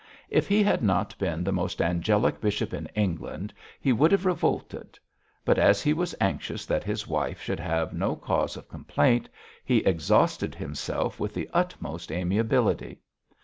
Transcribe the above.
If he had not been the most angelic bishop in England he would have revolted; but as he was anxious that his wife should have no cause of complaint, he exhausted himself with the utmost amiability.